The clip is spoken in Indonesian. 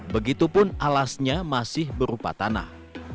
begitupun alasnya masih berupa tanah